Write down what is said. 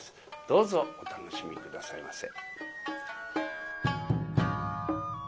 どうぞお楽しみ下さいませ。